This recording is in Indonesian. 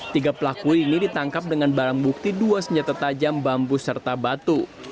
tiga pelaku ini ditangkap dengan barang bukti dua senjata tajam bambu serta batu